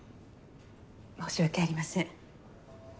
申し訳ありません。